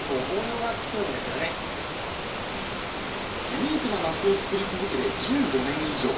ユニークな升を作り続けて１５年以上。